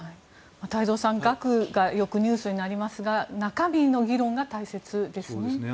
太蔵さん額がよくニュースになりますが中身の議論が大切ですね。